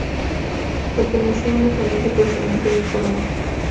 Pertenecía a una familia procedente de Córdoba.